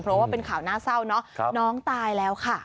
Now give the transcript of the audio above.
เพราะว่าเป็นข่าวน่าเศร้าเนอะน้องตายแล้วค่ะ